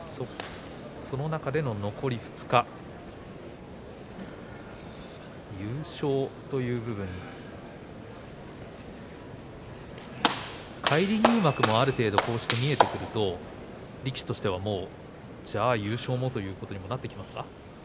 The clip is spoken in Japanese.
その中での残り２日優勝という部分返り入幕もある程度見えてくると力士としてはじゃあ、優勝もということにもなってきますか。